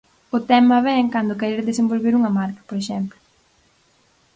O tema vén cando queres desenvolver unha marca, por exemplo.